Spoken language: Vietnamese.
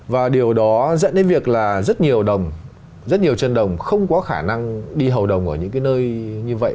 và điều đó dẫn đến việc là rất nhiều đồng rất nhiều chân đồng không có khả năng đi hầu đồng ở những cái nơi như vậy